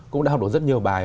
cũng đã học được rất nhiều bài